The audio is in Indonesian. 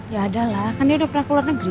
ya ada lah kan dia udah pernah keluar negeri